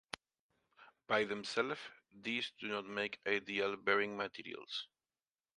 By themselves, these do not make ideal bearing materials.